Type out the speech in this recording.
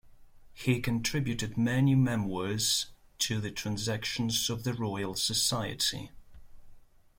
He contributed many memoirs to the "Transactions of the Royal Society".